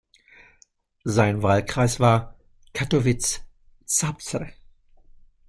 Sein Wahlkreis war Kattowitz-Zabrze.